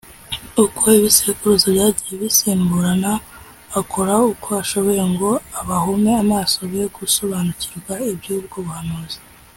Uko ibisekuruza byagiye bisimburana, akora uko ashoboye ngo abahume amaso be gusobanukirwa iby’ubwo buhanuzi